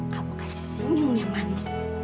kamu kasih sunyum yang manis